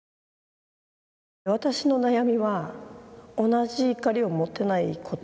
私の悩みは同じ怒りを持てないこと。